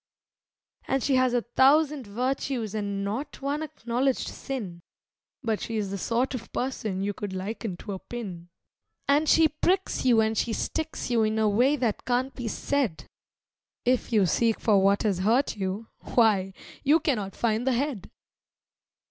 And she has a thousand virtues and not one acknowledged sin, But she is the sort of person you could liken to a pin. And she pricks you and she sticks you in a way that can't be said. If you seek for what has hurt you why, you cannot find the head!